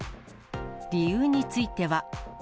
理由については。